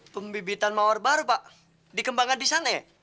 pembibitan mawar baru pak dikembangkan di sana ya